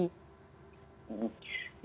ya sama yang tanya